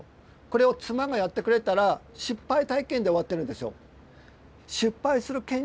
これを妻がやってくれたら失敗体験で終わってるんですよ。